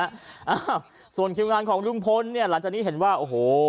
อ้าวส่วนคิวงานของลุงพลเนี่ยหลังจากนี้เห็นว่าโอ้โห